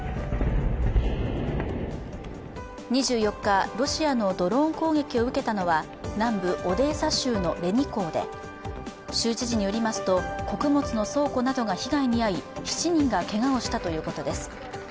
２４日、ロシアのドローン攻撃を受けたのは南部オデーサ州のレニ港で、州知事によりますと穀物の倉庫などが被害に遭い、７人がけがをしたということです。